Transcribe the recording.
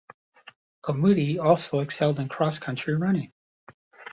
Gammoudi also excelled in cross country running.